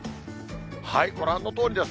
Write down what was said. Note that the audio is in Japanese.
ご覧のとおりです。